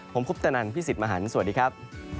ผมคุปตนันพี่สิทธิ์มหันฯสวัสดีครับ